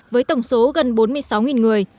với tổng số gần bốn mươi sáu người